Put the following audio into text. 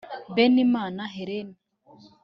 benimana hélène